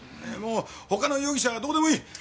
もう他の容疑者はどうでもいい。